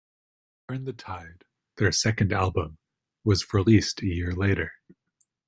"Turn The Tide", their second album, was released a year later.